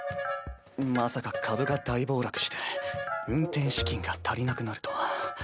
まさか株が大暴落して運転資金が足りなくなるとは。